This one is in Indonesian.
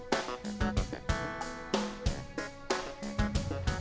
terus itu nama jalan atau apa